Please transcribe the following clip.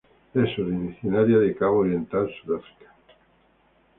Es originaria de Cabo Oriental, Sudáfrica.